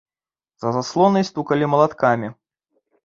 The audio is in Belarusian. За заслонай стукалі малаткамі.